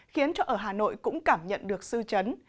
khiến cho ở hà nội cũng cảm nhận được sưu trấn